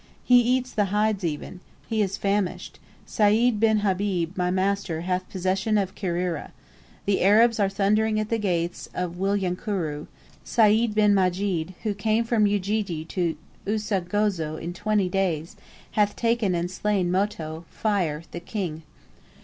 He eats the hides even. He is famished. Sayd bin Habib, my master, hath possession of Kirira. The Arabs are thundering at the gates of Wilyankuru. Sayd bin Majid, who came from Ujiji to Usagozi in twenty days, hath taken and slain 'Moto' (Fire), the King.